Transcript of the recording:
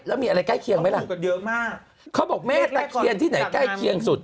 แล้วมีอะไรใกล้เคียงไหมล่ะเขาบอกแม่ตะเคียนที่ไหนใกล้เคียงสุด